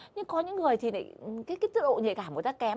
nhưng có những người thì cái thức độ nhạy cảm của người ta kém